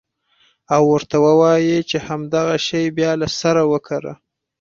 او ورته ووايې چې همدغه شى بيا له سره وکره.